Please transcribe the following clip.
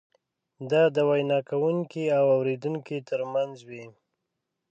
دا د وینا کوونکي او اورېدونکي ترمنځ وي.